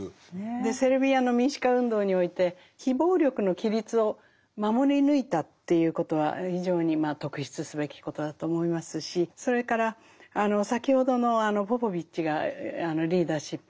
セルビアの民主化運動において非暴力の規律を守り抜いたということは非常に特筆すべきことだと思いますしそれからあの先ほどのポポヴィッチがリーダーシップを発揮してですね